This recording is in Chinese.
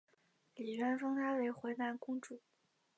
李渊封她为淮南公主。